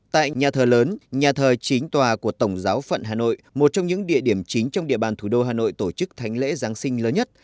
tại nhà thờ lớn nhà thờ chính tòa của tổng giáo phận hà nội một trong những địa điểm chính trong địa bàn thủ đô hà nội tổ chức thánh lễ giáng sinh lớn nhất